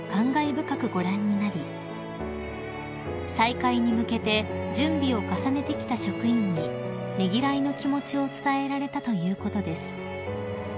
深くご覧になり再開に向けて準備を重ねてきた職員にねぎらいの気持ちを伝えられたということです］